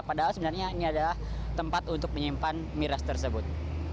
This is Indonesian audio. padahal sebenarnya ini adalah tempat untuk menyimpan miras tersebut